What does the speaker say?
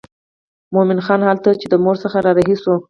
مومن خان هلته چې د مور څخه را رهي شو.